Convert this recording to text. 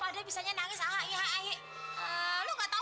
nage utang mas jureka